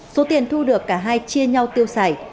số tiền thu được cả hai chia nhau tiêu xài